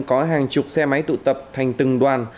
có hàng chục xe máy tụ tập thành từng đoàn